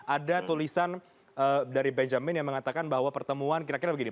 ada tulisan dari benjamin yang mengatakan bahwa pertemuan kira kira begini